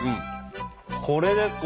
これです